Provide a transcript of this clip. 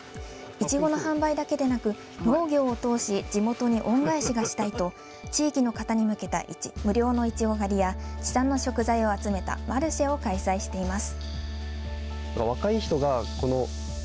いちごの販売だけでなく農業を通し地元に恩返しがしたいと地域の方に向けた無料のいちご狩りや地産の食材を集めたマルシェを開催しています。